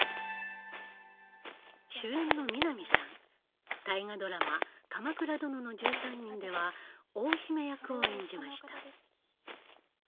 主演の南さん大河ドラマ「鎌倉殿の１３人」では大姫役を演じました。